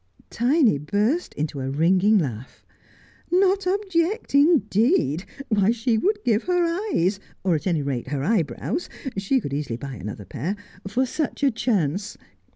Tiny burst into a ringing laugh. < Not object, indeed ! Why, she would give her eyes, or at any rate her eyebrows— she could easily buy another pair— for such a chance.